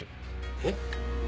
えっ？